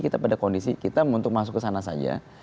kita pada kondisi kita untuk masuk ke sana saja